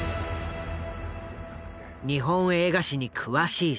日本映画史に詳しい佐藤。